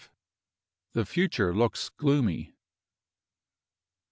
THE FUTURE LOOKS GLOOMY.